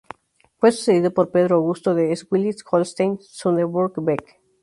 Fue sucedido por Pedro Augusto de Schleswig-Holstein-Sonderburg-Beck.